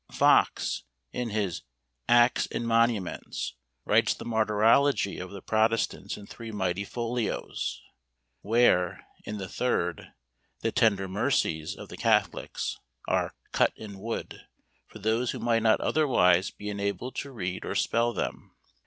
Fox, in his "Acts and Monuments," writes the martyrology of the Protestants in three mighty folios; where, in the third, "the tender mercies" of the Catholics are "cut in wood" for those who might not otherwise be enabled to read or spell them.